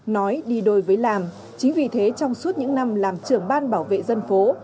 nói đi đôi với làm chính vì thế trong suốt những năm làm trưởng ban bảo vệ dân phố